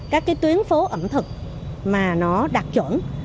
các cái tuyến phố ẩm thực mà nó đạt chuẩn